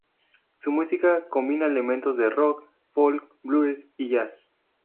Su música combina elementos de rock, folk, blues, y jazz.